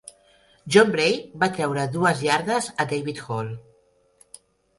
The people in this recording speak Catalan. John Bray va treure dues iardes a David Hall.